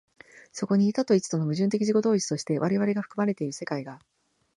そこに多と一との矛盾的自己同一として我々が含まれている世界が、